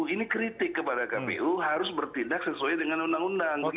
ini kritik kepada kpu harus bertindak sesuai dengan undang undang